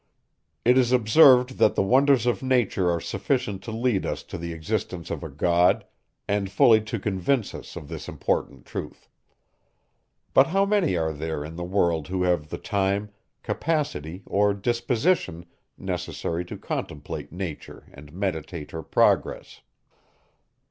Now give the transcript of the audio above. It is observed, that the wonders of nature are sufficient to lead us to the existence of a God, and fully to convince us of this important truth. But how many are there in the world who have the time, capacity, or disposition, necessary to contemplate Nature and meditate her progress?